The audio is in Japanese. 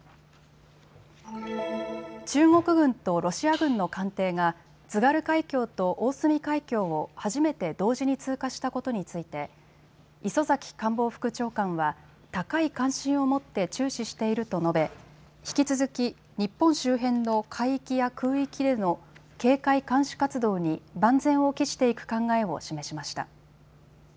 中国軍とロシア軍の艦艇が津軽海峡と大隅海峡を初めて同時に通過したことについて磯崎官房副長官は高い関心を持って注視していると述べ引き続き日本周辺の海域や空域での警戒・監視活動に万全を期していく考えを示しました。